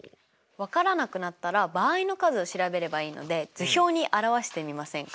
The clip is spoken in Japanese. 分からなくなったら場合の数を調べればいいので図表に表してみませんか？